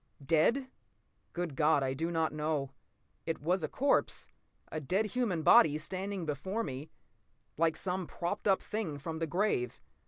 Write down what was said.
Dead? Good God, I do not know. It was a corpse, a dead human body, standing before me like some propped up thing from the grave.